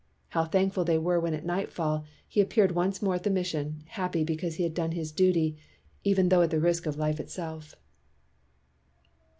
How thankful they were when at nightfall, he appeared once more at the mission, happy because he had done his duty, even though at the risk of life itself.